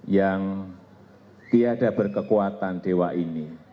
yang tiada berkekuatan dewa ini